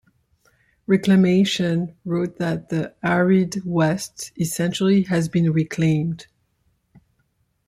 Reclamation wrote that The arid West essentially has been reclaimed.